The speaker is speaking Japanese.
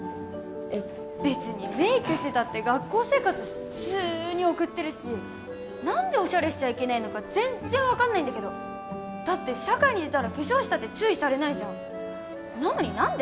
別にメイクしてたって学校生活普通に送ってるし何でオシャレしちゃいけないのか全然分かんないんだけどだって社会に出たら化粧したって注意されないじゃんなのに何で？